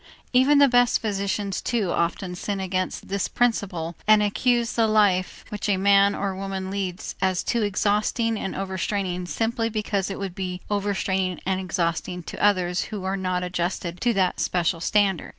Even the best physicians too often sin against this principle and accuse the life which a man or woman leads as too exhausting and overstraining simply because it would be overstraining and exhausting to others who are not adjusted to that special standard.